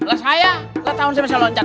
lah saya lah tahun saya masih loncat